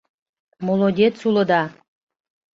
Молодец улыда!